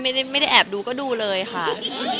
ไม่ค่ะไม่ได้แอบดูก็ดูเลยค่ะ